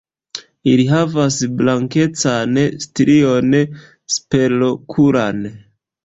Ili havas blankecan strion superokulan.